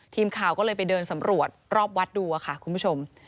ทีมข่าวก็เลยไปเดินสำรวจรอบวัดดูค่ะคุณผู้ชม